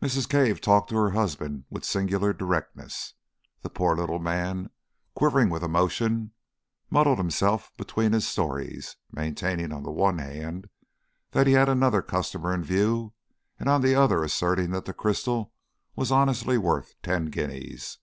Mrs. Cave talked to her husband with singular directness. The poor little man, quivering with emotion, muddled himself between his stories, maintaining on the one hand that he had another customer in view, and on the other asserting that the crystal was honestly worth ten guineas.